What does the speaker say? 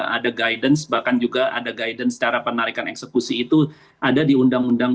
ada guidance bahkan juga ada guidance secara penarikan eksekusi itu ada di undang undang